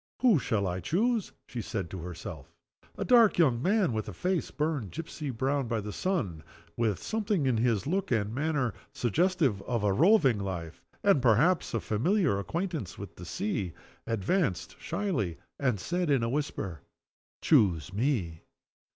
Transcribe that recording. "Who shall I choose?" she said to herself. A dark young man with a face burned gipsy brown by the sun; with something in his look and manner suggestive of a roving life, and perhaps of a familiar acquaintance with the sea advanced shyly, and said, in a whisper: "Choose me!"